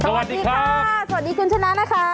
สวัสดีค่ะสวัสดีคุณชนะนะคะ